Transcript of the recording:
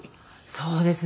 そうですね。